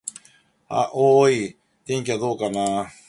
おーーい、天気はどうかな。